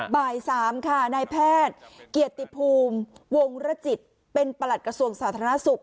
บ่าย๓ค่ะนายแพทย์เกียรติภูมิวงรจิตเป็นประหลัดกระทรวงสาธารณสุข